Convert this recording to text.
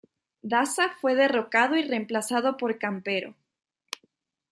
Daza fue derrocado y reemplazado por Campero.